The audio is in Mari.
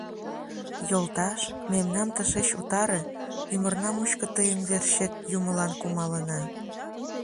— Йолташ, мемнам тышеч утаре: ӱмырна мучко тыйын верчет юмылан кумалына.